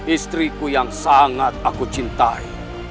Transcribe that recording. istriku yang sangat aku cintai